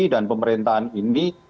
dan pemerintahan ini